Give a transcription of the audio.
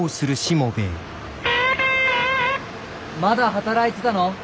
まだ働いてたの？